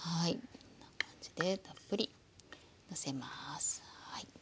こんな感じでたっぷりのせますはい。